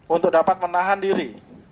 untuk dapat menahan diri